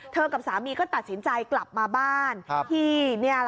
กับสามีก็ตัดสินใจกลับมาบ้านที่